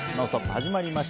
始まりました。